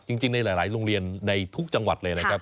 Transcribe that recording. จริงในหลายโรงเรียนในทุกจังหวัดเลยนะครับ